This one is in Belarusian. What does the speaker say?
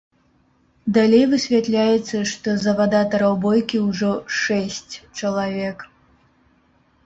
Далей высвятляецца, што завадатараў бойкі ўжо шэсць чалавек.